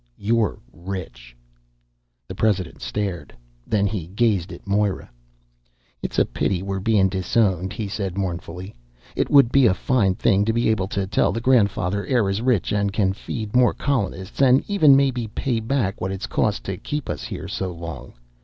You're rich." The president stared. Then he gazed at Moira. "It's a pity we're bein' disowned," he said mournfully. "It would be a fine thing to be able to tell the grandfather Eire's rich and can feed more colonists and even maybe pay back what it's cost to keep us here so long.